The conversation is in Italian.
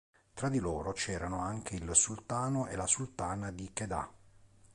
Tra di loro c'erano anche il sultano e la sultana di Kedah.